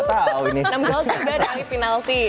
enam gol juga dari penalti